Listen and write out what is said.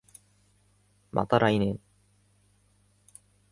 また来年